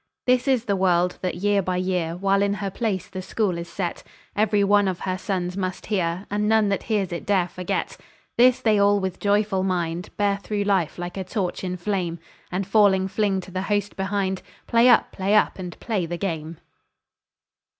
This is the word that year by year, While in her place the School is set, Every one of her sons must hear, And none that hears it dare forget. This they all with a joyful mind Bear through life like a torch in flame, And falling fling to the host behind "Play up! play up! and play the game!"